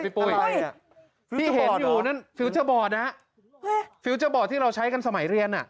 ปุ้ยอะไรอ่ะที่เห็นอยู่นั่นฟิวเจอร์บอร์ดนะฮะฟิวเจอร์บอดที่เราใช้กันสมัยเรียนอ่ะ